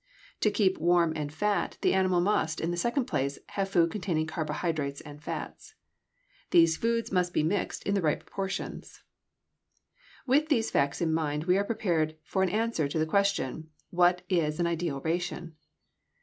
To keep warm and fat, the animal must, in the second place, have food containing carbohydrates and fats. These foods must be mixed in right proportions. [Illustration: FIG. 269. A DAIRY] With these facts in mind we are prepared for an answer to the question, What is an ideal ration?